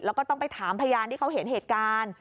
แล้วก็ต้องไปถามพยานที่เขาเห็นเหตุการณ์